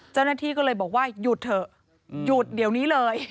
เจ้าหน้าที่ก็เลยบอกว่าหยุดเถอะหยุดเดี๋ยวนี้เลย